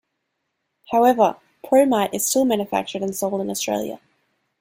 However, Promite is still manufactured and sold in Australia.